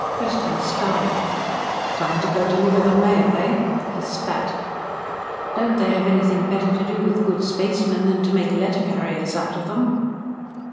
Preston scowled. "Time to go deliver the mail, eh?" He spat. "Don't they have anything better to do with good spacemen than make letter carriers out of them?"